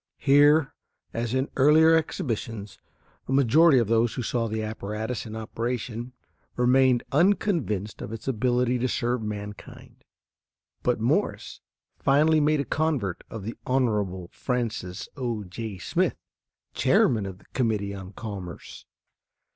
Here, as in earlier exhibitions, a majority of those who saw the apparatus in operation remained unconvinced of its ability to serve mankind. But Morse finally made a convert of the Hon. Francis O.J. Smith, chairman of the Committee on Commerce.